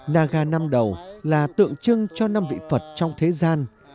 naga năm đầu là tượng trưng cho năm vị phật trong thế gian